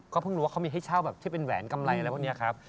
เพิ่งรู้ว่าเขามีให้เช่าแบบที่เป็นแหวนกำไรอะไรพวกนี้ครับ